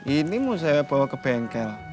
ini mau saya bawa ke bengkel